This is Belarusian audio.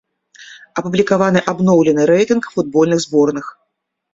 Апублікаваны абноўлены рэйтынг футбольных зборных.